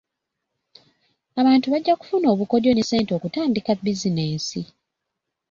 Abantu bajja kufuna obukodyo ne ssente okutandika bizinensi.